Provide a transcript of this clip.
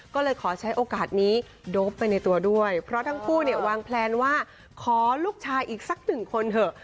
ก็เลยขอใช้โอกาสนี้โดปไปในตัวด้วยเพราะทั้งคู่เนี่ยวางแพลนว่าขอลูกชายอีกสักหนึ่งคนเถอะ